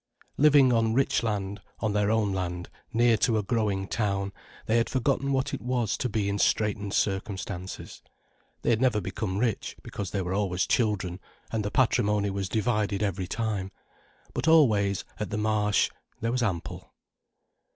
Living on rich land, on their own land, near to a growing town, they had forgotten what it was to be in straitened circumstances. They had never become rich, because there were always children, and the patrimony was divided every time. But always, at the Marsh, there was ample.